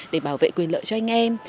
để bảo vệ quyền lợi cho anh em